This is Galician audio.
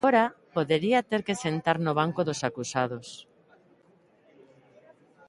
Agora, podería ter que sentar no banco dos acusados.